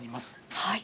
はい。